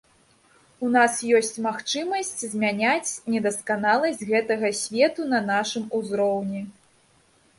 У нас ёсць магчымасць змяняць недасканаласць гэтага свету на нашым узроўні.